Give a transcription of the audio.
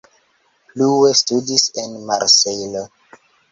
Plue studis en Marsejlo.